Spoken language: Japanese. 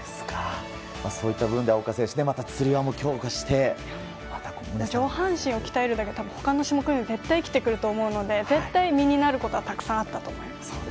そういった部分では岡選手上半身を鍛えるだけで他の種目にも絶対に生きてくると思うので絶対身になることはたくさんあったと思います。